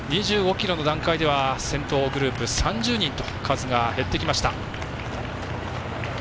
２５ｋｍの段階では先頭グループ３０人と数が減ってきました。